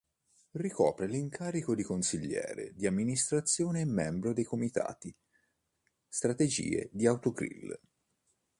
Ricopre l’incarico di Consigliere di amministrazione e membro dei Comitati strategie di Autogrill.